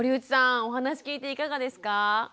お話聞いていかがですか？